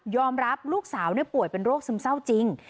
รับลูกสาวป่วยเป็นโรคซึมเศร้าจริง